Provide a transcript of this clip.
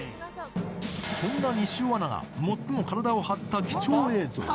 そんな西尾アナが最も体を張った貴重映像。